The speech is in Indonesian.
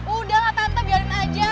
udah lah tante biarin aja